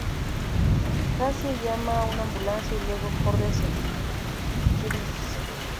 Cassie llama a una ambulancia y luego corre hacia Chris.